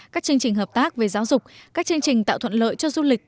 các chương trình hợp tác về giáo dục các chương trình tạo thuận lợi cho du lịch